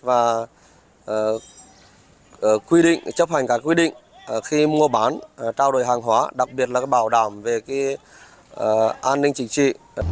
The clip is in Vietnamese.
và quy định chấp hành các quy định khi mua bán trao đổi hàng hóa đặc biệt là bảo đảm về an ninh chính trị